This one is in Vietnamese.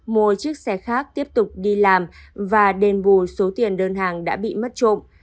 mua chiếc xe khác tiếp tục đi làm và đền bù số tiền đơn hàng đã bị mất trộm